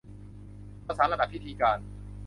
ภาษาระดับพิธีการ